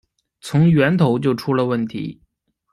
从源头就出了问题